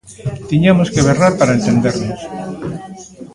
Tiñamos que berrar para entendernos.